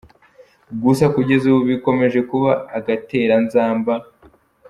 Gusa kugeza ubu bikomeje kuba agatereranzamba.